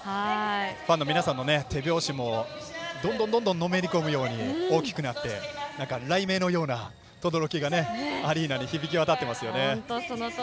ファンの皆さんの手拍子もどんどんのめりこむように大きくなって雷鳴のようなとどろきがアリーナに響いてますよね。